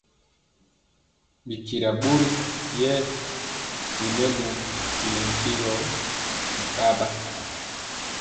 Bi tyira bori rɛye ri melu y nantye gɔ mɛkaba.